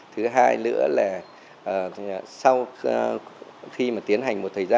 thứ hai nữa là sau khi mà tiến hành một thời gian